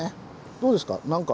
どうですか？